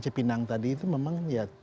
cipinang tadi itu memang ya